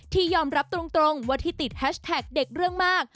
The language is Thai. ที่ยอมรับตรงว่าที่ติดแฮชแท็กเด็กเรื่องมาก